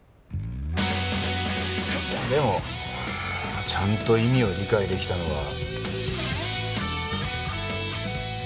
でもちゃんと意味を理解できたのは。